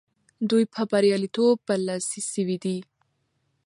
دوی په بریالیتوب برلاسي سوي دي.